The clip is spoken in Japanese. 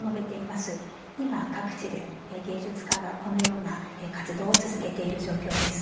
今各地で芸術家がこのような活動を続けている状況です。